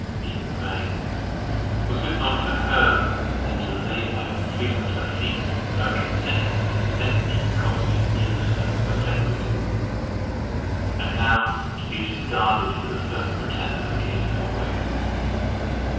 In vain! Was it not for her and to lay my freedom at her feet, that I consented to this step which has cost me infinite perplexity, and now to be discarded for the first pretender that came in her way!